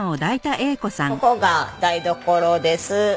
ここが台所です。